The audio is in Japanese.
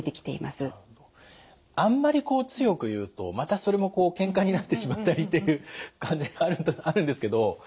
あんまりこう強く言うとまたそれもけんかになってしまったりっていう感じがあるんですけど。